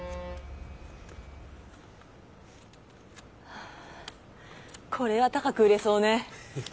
はぁこれは高く売れそうね。